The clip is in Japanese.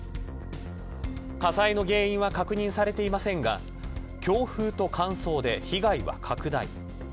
火災の原因は確認されていませんが強風と乾燥で被害は拡大。